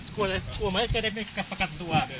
กลัวจะได้ไม่กลัวไม่กลัวจะได้ประกันตัว